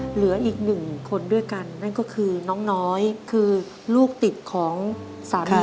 เหลืออีกหนึ่งคนด้วยกันนั่นก็คือน้องน้อยคือลูกติดของสามี